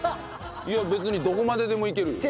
別にどこまででもいけるよ。